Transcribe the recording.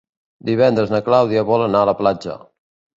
Divendres na Clàudia vol anar a la platja.